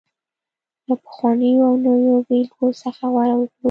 له پخوانيو او نویو بېلګو څخه غوره کړو